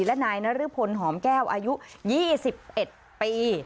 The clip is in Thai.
และนายนรพลหอมแก้วอายุ๒๑ปี